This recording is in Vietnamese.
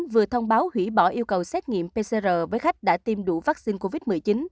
vừa thông báo hủy bỏ yêu cầu xét nghiệm pcr với khách đã tiêm đủ vaccine covid một mươi chín